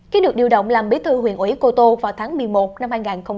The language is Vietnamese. khi được điều động làm bí thư huyện ủy cô tô vào tháng một mươi một năm hai nghìn một mươi chín